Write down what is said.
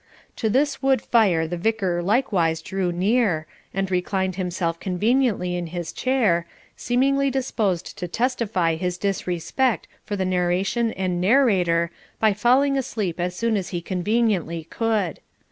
To this wood fire the Vicar likewise drew near, and reclined himself conveniently in his chair, seemingly disposed to testify his disrespect for the narration and narrator by falling asleep as soon as he conveniently could.